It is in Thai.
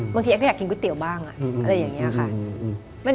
เอ็กก็อยากกินก๋วยเตี๋ยวบ้างอะไรอย่างนี้ค่ะ